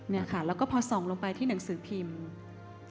เนี่ยค่ะแล้วก็พอส่องลงไปที่หนังสือพิมพ์